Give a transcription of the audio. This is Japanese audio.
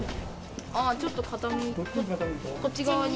ああ、ちょっと傾いてる、こっち側に。